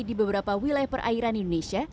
di beberapa wilayah perairan indonesia